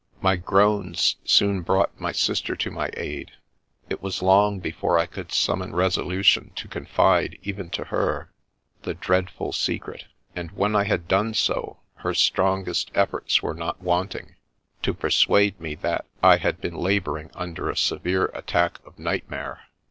My groans soon brought my sister to my aid ; it was long before I could summon resolution to confide, even to her, the dreadful secret, and when I had done so, her strongest efforts were not wanting to persuade me that I had been labouring under a severe attack of nightmare.